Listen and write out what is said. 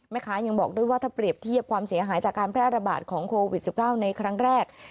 ยังบอกด้วยว่าถ้าเปรียบเทียบความเสียหายจากการแพร่ระบาดของโควิด๑๙ในครั้งแรก